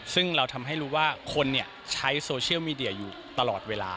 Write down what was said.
ซึ่งเราทำให้รู้ว่าคนใช้โซเชียลมีเดียอยู่ตลอดเวลา